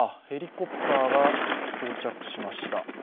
ヘリコプターが到着しました。